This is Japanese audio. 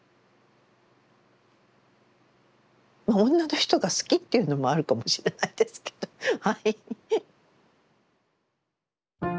まあ女の人が好きっていうのもあるかもしれないですけどはい。